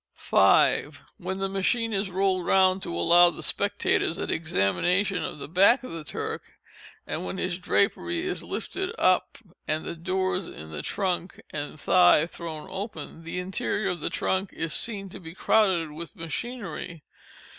5. When the machine is rolled round to allow the spectators an examination of the back of the Turk, and when his drapery is lifted up and the doors in the trunk and thigh thrown open, the interior of the trunk is seen to be crowded with machinery.